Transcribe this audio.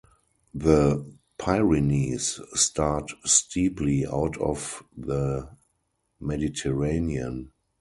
The Pyrenees start steeply out of the Mediterranean.